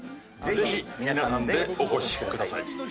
ぜひ皆さんでお越しください。